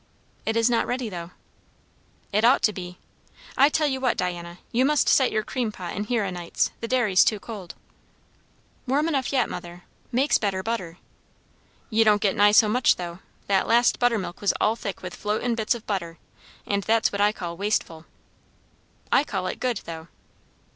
"It is not ready, though." "It ought to be. I tell you what, Diana, you must set your cream pot in here o' nights; the dairy's too cold." "Warm enough yet, mother. Makes better butter." "You don't get nigh so much, though. That last buttermilk was all thick with floatin' bits of butter; and that's what I call wasteful." "I call it good, though."